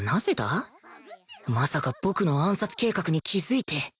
まさか僕の暗殺計画に気づいて